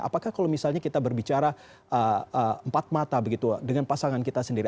apakah kalau misalnya kita berbicara empat mata begitu dengan pasangan kita sendiri